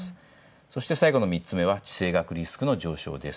そして最後の３つめは地政学リスクの上昇です。